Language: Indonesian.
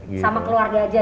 sama keluarga aja